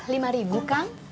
lima ribu kang